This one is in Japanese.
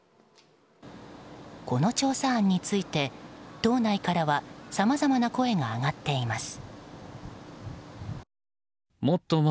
この調査案について、党内からはさまざまな声が上がっています。